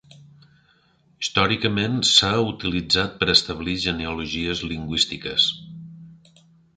Històricament s'ha utilitzat per establir genealogies lingüístiques.